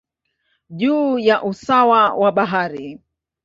juu ya usawa wa bahari.